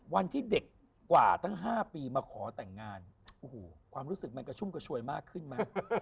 วันที่เด็กกว่าตั้ง๕ปีมาขอแต่งงานโอ้โหความรู้สึกมันกระชุ่มกระชวยมากขึ้นไหม